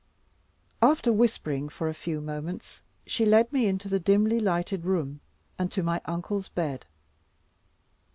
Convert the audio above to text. After whispering for a few moments, she led me into the dimly lighted room, and to my uncle's bed.